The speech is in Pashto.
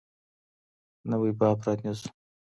نوی باب پرانيزو.